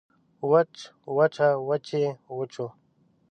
وچ وچه وچې وچو